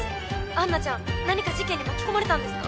アンナちゃん何か事件に巻き込まれたんですか？